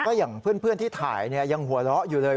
ก็อย่างเพื่อนที่ถ่ายเนี่ยยังหัวเราะอยู่เลย